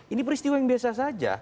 ini peristiwa yang biasa saja